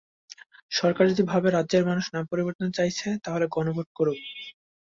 সরকার যদি ভাবে, রাজ্যের মানুষ নাম পরিবর্তন চাইছে, তাহলে গণভোট করুক।